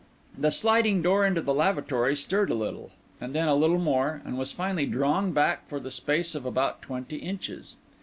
The sliding door into the lavatory stirred a little, and then a little more, and was finally drawn back for the space of about twenty inches.